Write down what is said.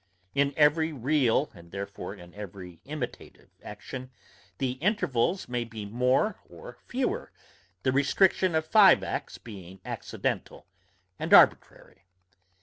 In every real, and therefore in every imitative action, the intervals may be more or fewer, the restriction of five acts being accidental and arbitrary.